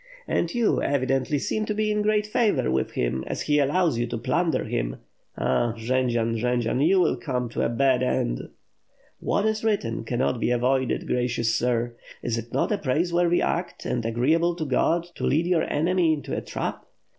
"And you, evidently, seem to be in great favol" with him. WITH FIRE AND SWORD, 6^1 as he allows you to plunder him. Ah, Jendzian, Jendzian, you will come to a bad end." "What is written cannot be avoided, gracious sir. Is it not a praiseworthy act and agreeable to God to lead your enemy into a trap?"